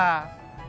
aku ini tak biasa